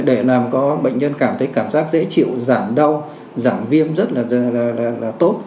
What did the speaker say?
để làm cho bệnh nhân cảm thấy cảm giác dễ chịu giảm đau giảm viêm rất là tốt